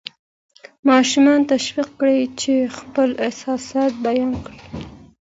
ماشومان تشویق کړئ چې خپل احساسات بیان کړي.